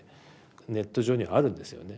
ネット上にあるんですよね